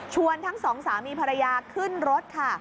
ทั้งสองสามีภรรยาขึ้นรถค่ะ